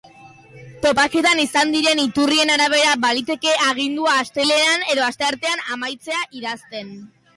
Topaketan izan diren iturrien arabera, baliteke agindua astelehenean edo asteartean amaitzea idazten.